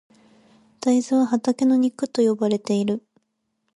大豆は畑の肉と呼ばれている。